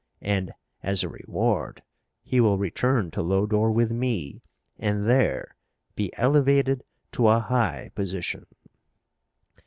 And, as a reward, he will return to Lodore with me and there be elevated to a high position."